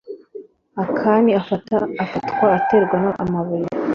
Akani afatwa aterwa amabuye